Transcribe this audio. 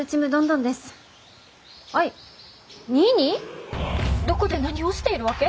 ☎どこで何をしているわけ？